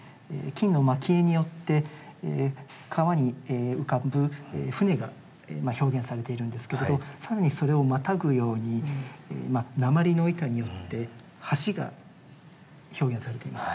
金の蒔絵によって川に浮かぶ舟が表現されているんですけれど更にそれをまたぐように鉛の板によって橋が表現されています。